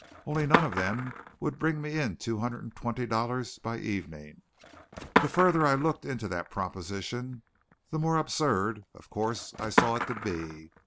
Only none of them would bring me in two hundred and twenty dollars by evening. The further I looked into that proposition, the more absurd, of course, I saw it to be.